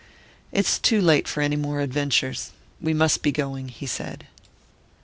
"It's too late for any more adventures we must be going," he said.